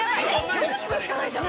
４０分しかないじゃん！